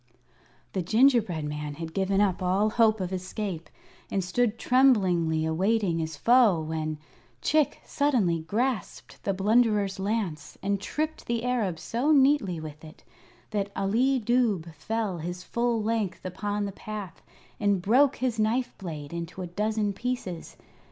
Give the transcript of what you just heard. The gingerbread man had given up all hope of escape and stood tremblingly awaiting his foe when, Chick suddenly grasped the Blunderer's lance and tripped the Arab so neatly with it that Ali Dubh fell his full length upon the path and broke his knife blade into a dozen pieces.